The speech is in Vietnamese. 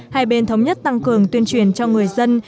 hai bên thống nhất tăng cường tuyên truyền cho người dân